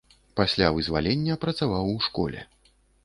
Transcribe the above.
Пасля вызвалення працаваў у школе.